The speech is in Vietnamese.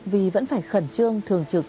vì vẫn phải khẩn trương thường trực